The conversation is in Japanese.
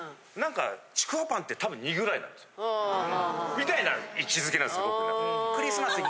みたいな位置づけなんですよ。